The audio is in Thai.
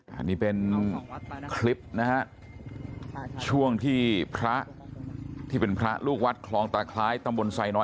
อันนี้เป็นคลิปนะฮะช่วงที่พระที่เป็นพระลูกวัดคลองตาคล้ายตำบลไซน้อย